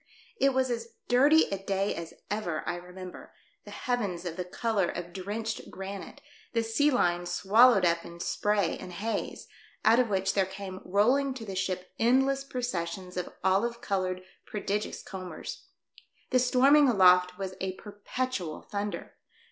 It was as dirty a day as ever I remember — the heavens of the colour of drenched granite, the sea line swallowed up in spray and haze, out of which there came rolling to the ship endless processions of olive coloured, prodigious combers. The storming aloft was a perpetual thunder.